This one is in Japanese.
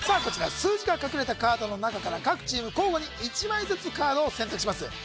こちら数字が隠れたカードの中から各チーム交互に１枚ずつカードを選択します